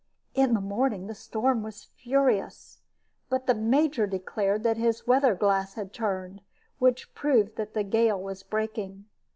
In the morning the storm was furious; but the Major declared that his weather glass had turned, which proved that the gale was breaking.